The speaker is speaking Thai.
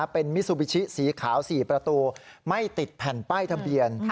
เป็นมิซูบิชิสีขาว๔ประตูไม่ติดแผ่นป้ายทะเบียน